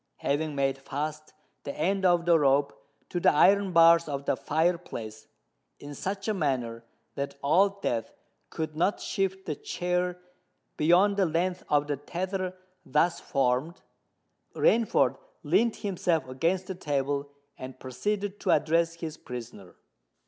Having made fast the end of the rope to the iron bars of the fire place, in such a manner that Old Death could not shift the chair beyond the length of the tether thus formed, Rainford leant himself against the table and proceeded to address his prisoner.